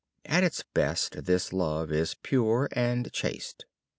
At its best this love is pure and chaste.